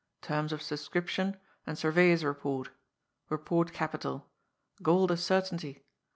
Terms of subscription, and surveyor's report Beport capital. Gold a certainty.